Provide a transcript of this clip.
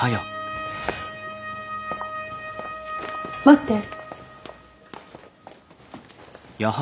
待って。